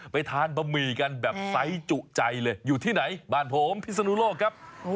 ทานบะหมี่กันแบบไซส์จุใจเลยอยู่ที่ไหนบ้านผมพิศนุโลกครับ